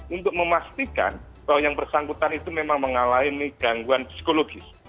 untuk memastikan bahwa yang bersangkutan itu memang mengalami gangguan psikologis